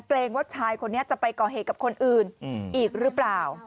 รงว่าชายคนนี้จะไปก่อเหตุกับคนอื่นอีกหรือเปล่า